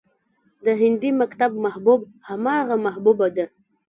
د هندي مکتب محبوب همغه محبوبه ده